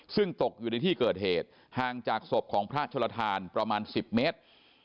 ซึ่งตกอยู่ในที่เกิดเหตุห่างจากศพของพระชลทานประมาณ๑๐เมตร